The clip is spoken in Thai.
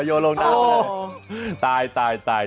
โยโรงนาวเนี่ย